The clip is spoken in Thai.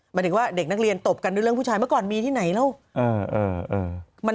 หมายถึงว่าเด็กนักเรียนตบกันด้วยเรื่องผู้ชายเมื่อก่อนมีที่ไหนแล้ว